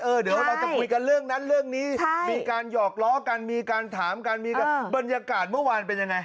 เดี๋ยวเราจะคุยกันเรื่องนั้นเรื่องนี้มีการหยอกล้อกันมีการถามกันมีบรรยากาศเมื่อวานเป็นยังไง